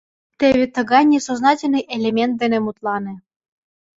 Теве тыгай несознательный элемент дене мутлане!..